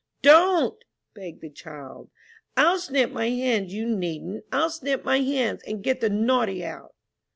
"Don't," begged the child, "I'll snip my hands, you needn't; I'll snip my hands and get the naughty out."